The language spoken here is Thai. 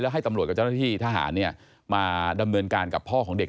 ให้ตำรวจกับเจ้าหน้าที่ทหารมาดำเนินการกับพ่อของเด็ก